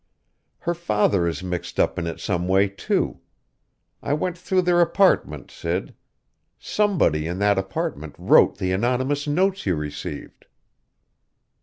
Her father is mixed up in it in some way, too. I went through their apartment, Sid. Somebody in that apartment wrote the anonymous notes you received."